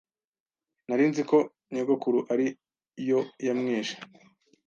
nari nzi ko nyogokuru ari yo yamwishe